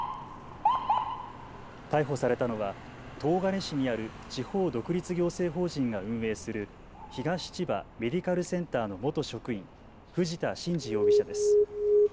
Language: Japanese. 逮捕されたのは東金市にある地方独立行政法人が運営する東千葉メディカルセンターの元職員、藤田信治容疑者です。